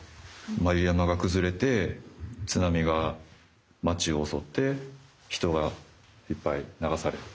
眉山がくずれて津波が街をおそって人がいっぱい流され。